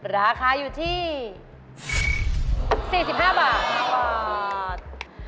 ราคาอยู่ที่๔๕บาท